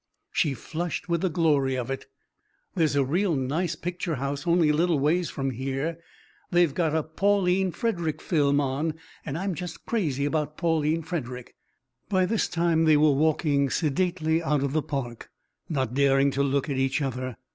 She flushed with the glory of it. "There's a real nice picture house only a little ways from here. They got a Pauline Frederick film on. I'm just crazy about Pauline Frederick." By this time they were walking sedately out of the park, not daring to look at each other.